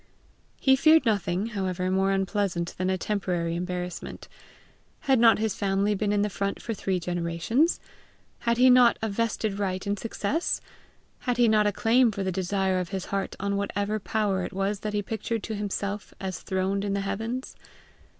He feared nothing, however, more unpleasant than a temporary embarrassment. Had not his family been in the front for three generations! Had he not a vested right in success! Had he not a claim for the desire of his heart on whatever power it was that he pictured to himself as throned in the heavens!